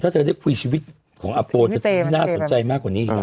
ถ้าเธอได้คุยชีวิตของอัปโปร์จะเป็นคนที่น่าสนใจมากกว่านี้